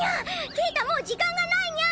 ケータもう時間がないニャン！